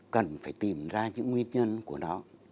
cần phải tìm ra những nguyên nhân của nó